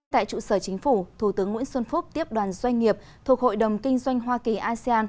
tại trụ sở chính phủ thủ tướng nguyễn xuân phúc tiếp đoàn doanh nghiệp thuộc hội đồng kinh doanh hoa kỳ asean